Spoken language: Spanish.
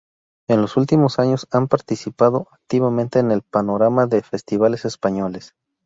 En los últimos años, han participado activamente en el panorama de festivales españoles.